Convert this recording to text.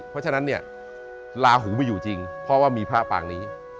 เพราะฉะนั้นเนี่ยลาหูไปอยู่จริงเพราะว่ามีพระปางนี้